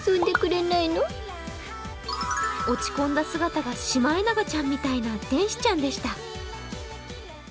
落ち込んだ姿がシマエナガちゃんみたいな天使ちゃんでした。